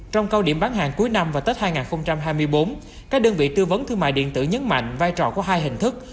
trong cao điểm bán hàng cuối năm và tết hai nghìn hai mươi bốn các đơn vị tư vấn thương mại điện tử nhấn mạnh vai trò của hai hình thức